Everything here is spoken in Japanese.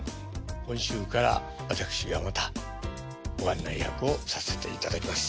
今週から私がまたご案内役をさせていただきます。